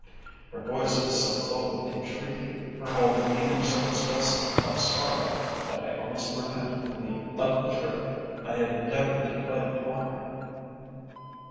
Her voice was so full of entreaty, her whole demeanour so expressive of sorrow, that I almost repented me of the trick I had endeavoured to play upon her.